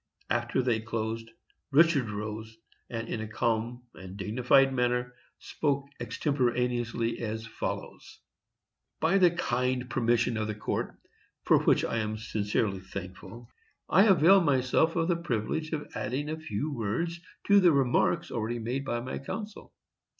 After they closed, Richard rose, and in a calm and dignified manner spoke extemporaneously as follows: "By the kind permission of the Court, for which I am sincerely thankful, I avail myself of the privilege of adding a few words to the remarks already made by my counsel.